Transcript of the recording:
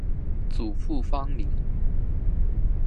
祖父方宁。